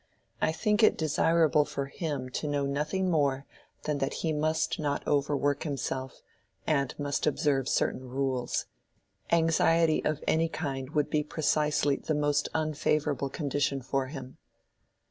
I think it desirable for him to know nothing more than that he must not overwork himself, and must observe certain rules. Anxiety of any kind would be precisely the most unfavorable condition for him."